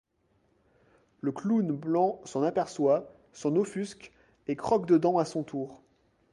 Le clown blanc s'en aperçoit, s'en offusque, et croque dedans à son tour.